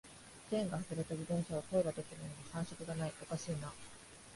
チェーンが外れた自転車を漕いだときのように感触がない、おかしいな